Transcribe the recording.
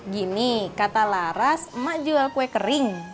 gini kata laras emak jual kue kering